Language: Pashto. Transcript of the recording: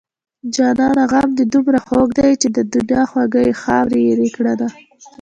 جانانه غم دې دومره خوږ دی چې د دنيا خواږه يې خاورې ايرې کړنه